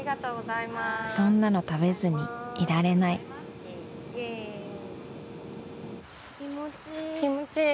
そんなの食べずにいられない気持ちいい。